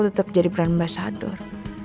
tetap jadi brand ambassador